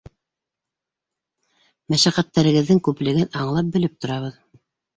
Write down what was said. — Мәшәҡәттәрегеҙҙең күплеген аңлап-белеп торабыҙ.